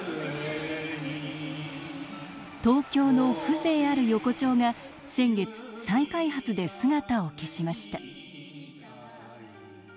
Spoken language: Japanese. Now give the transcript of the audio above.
東京の風情ある横丁が先月、再開発で姿を消しました。